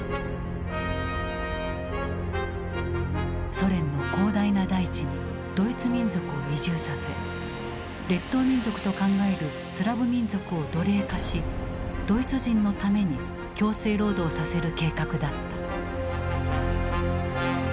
ソ連の広大な大地にドイツ民族を移住させ劣等民族と考えるスラブ民族を奴隷化しドイツ人のために強制労働させる計画だった。